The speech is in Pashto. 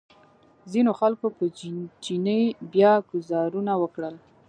ځینو خلکو په چیني بیا ګوزارونه وکړل.